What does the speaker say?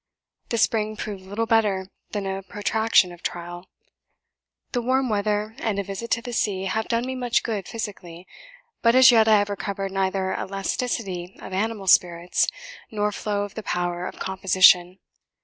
The spring proved little better than a protraction of trial. The warm weather and a visit to the sea have done me much good physically; but as yet I have recovered neither elasticity of animal spirits, nor flow of the power of composition.